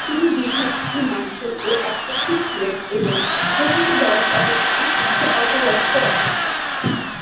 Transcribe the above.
তিনি দীর্ঘাকৃতি, মাংসল ও একচক্ষু ছিলেন এবং প্রকৃত বয়স অপেক্ষা তাঁহাকে অল্পবয়স্ক দেখাইত।